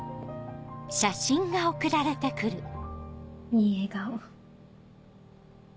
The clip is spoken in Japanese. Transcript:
いい笑顔。